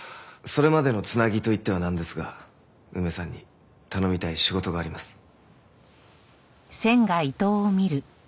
それまでの繋ぎといってはなんですが梅さんに頼みたい仕事があります。